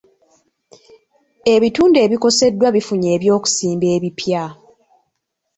Ebitundu ebikoseddwa bifunye eby'okusimba ebipya.